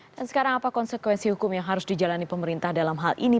dan sekarang apa konsekuensi hukum yang harus dijalani pemerintah dalam hal ini